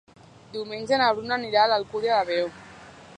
Diumenge na Bruna anirà a l'Alcúdia de Veo.